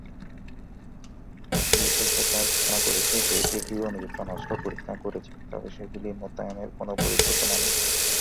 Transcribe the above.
USSR ঘোষণা করেছে যে এটিও নিউট্রন অস্ত্র পরীক্ষা করেছে, তবে সেগুলি মোতায়েনের কোনও পরিকল্পনা নেই।